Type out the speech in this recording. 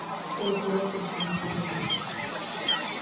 Eu creo que están equivocados.